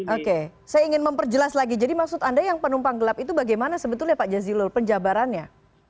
oke saya ingin memperjelas lagi jadi maksud anda yang penumpang gelap itu bagaimana sebetulnya pak jazilul penjabarannya